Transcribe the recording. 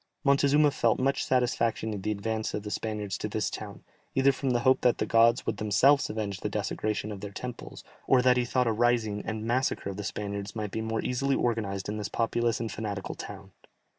Montezuma felt much satisfaction in the advance of the Spaniards to this town, either from the hope that the gods would themselves avenge the desecration of their temples, or that he thought a rising, and massacre of the Spaniards might be more easily organized in this populous and fanatical town.